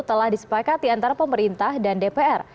telah disepakat di antara pemerintah dan dpr